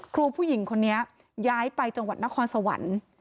ครูผู้หญิงคนนี้ย้ายไปจังหวัดนครสวรรค์